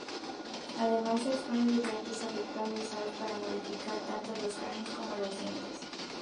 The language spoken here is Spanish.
Además, se exponen diferentes artefactos usados para modificar tanto los cráneos como los dientes.